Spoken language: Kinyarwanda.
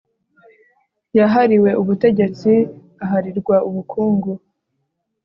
yahariwe ubutegetsi, aharirwa ubukungu